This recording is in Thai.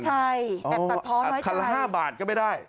ใช่แต่ปัดพร้อมไม่ใช่คันละ๕บาทก็ไม่ได้